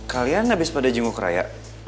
kalian habis pada jenguk raya